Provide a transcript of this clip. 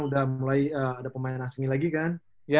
udah mulai ada pemain asingnya lagi kan